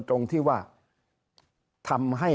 ตรงที่ว่าทำให้